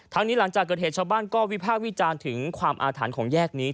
นี้หลังจากเกิดเหตุชาวบ้านก็วิพากษ์วิจารณ์ถึงความอาถรรพ์ของแยกนี้